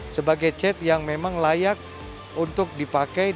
sebagai cet yang memang layak untuk dipakai dan memiliki karakteristik bisa ngegrip dengan roda